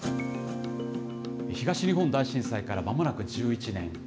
東日本大震災からまもなく１１年。